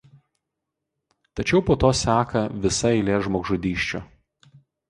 Tačiau po to seka visa eilė žmogžudysčių.